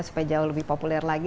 supaya jauh lebih populer lagi